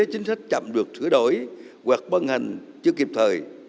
chính sách chậm được sửa đổi hoặc băng hành chưa kịp thời